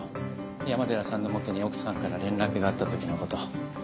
山寺さんの元に奥さんから連絡があったときのこと。